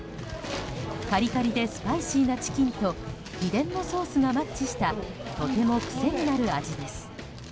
カリカリでスパイシーなチキンと秘伝のソースがマッチしたとても癖になる味です。